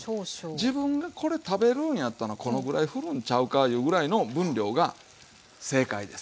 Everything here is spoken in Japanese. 自分がこれ食べるんやったらこのぐらいふるんちゃうかいうぐらいの分量が正解です。